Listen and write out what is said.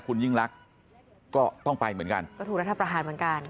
คุณยิ่งลักษณ์ก็ต้องไปเหมือนกันก็ถูกรัฐประหารเหมือนกัน